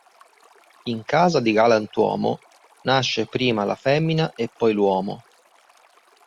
In casa di galantuomo nasce prima la femmina e poi l'uomo.